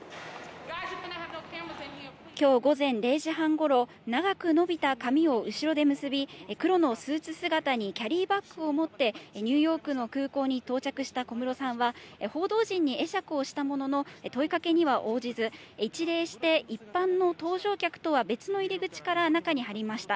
きょう午前０時半ごろ、長く伸びた髪を後ろで結び、黒のスーツ姿に、キャリーバッグを持って、ニューヨークの空港に到着した小室さんは、報道陣に会釈をしたものの、問いかけには応じず、一礼して一般の搭乗客とは別の入り口から中に入りました。